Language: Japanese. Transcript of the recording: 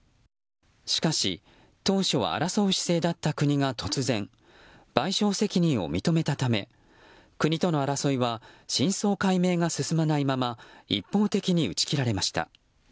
しかし、当初は争う姿勢だった国が突然賠償責任を認めたため国との争いは真相解明が進まないまま一方的に打ち切られました。